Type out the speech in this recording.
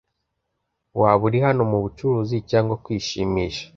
Waba uri hano mubucuruzi cyangwa kwishimisha?